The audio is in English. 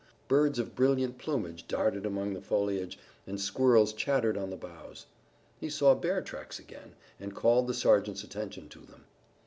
Birds of brilliant plumage darted among the foliage, and squirrels chattered on the boughs. He saw bear tracks again, and called the sergeant's attention to them.